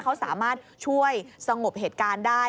เขาสามารถช่วยสงบเหตุการณ์ได้